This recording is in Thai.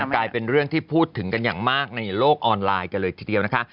กลายเป็นเรื่องที่พูดถึงกันอย่างมากในโลกออนไลน์กันเลยทีเดียวนะคะ